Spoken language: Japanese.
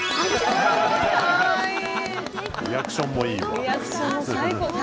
リアクションもいいわ。